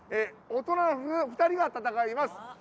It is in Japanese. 大人の部、２人が戦います。